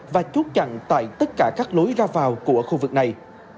và chốt chặn tại tất cả các lối ra vào của khu vực này